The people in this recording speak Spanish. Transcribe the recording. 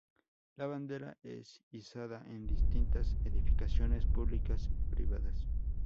La bandera es izada en distintas edificaciones públicas y privadas.